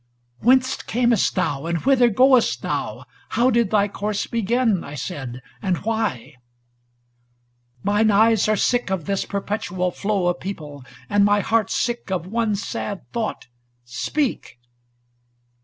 * Whence camest thou ? and whither goest thou? How did thy course begin ?' I said, * and why? *Mine eyes are sick of this perpetual flow Of people, and my heart sick of one sad thought ŌĆö Speak